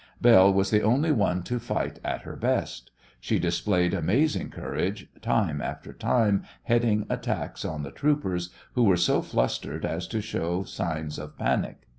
Belle was the only one to fight at her best. She displayed amazing courage, time after time heading attacks on the troopers, who were so flustered as to show signs of panic.